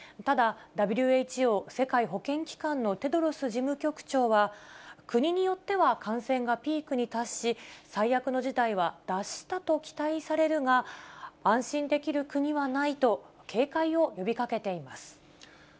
ただ、ＷＨＯ・世界保健機関のテドロス事務局長は、国によっては感染がピークに達し、最悪の事態は脱したと期待されるが、安心できる国はないと、警戒を呼びかけています。